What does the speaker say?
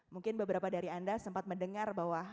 mungkin beberapa dari anda sempat mendengar bahwa